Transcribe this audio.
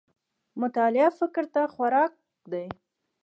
مطالعه فکر ته خوراک دی